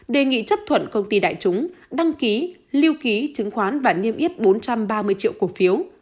đề nghị chấp thuận công ty đại chúng đăng ký lưu ký chứng khoán và niêm yết bốn trăm ba mươi triệu cổ phiếu